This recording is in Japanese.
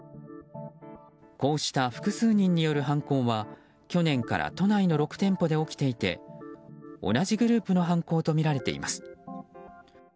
こうした複数人による犯行は去年から都内の６店舗で起きていて同じグループの犯行とみられています。